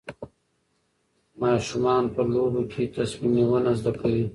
ماشومان په لوبو کې تصمیم نیونه زده کوي.